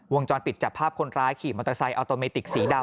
วงจรปิดจับภาพคนร้ายขี่มอเตอร์ไซค์ออโตเมติกสีดำ